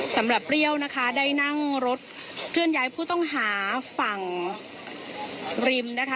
เปรี้ยวนะคะได้นั่งรถเคลื่อนย้ายผู้ต้องหาฝั่งริมนะคะ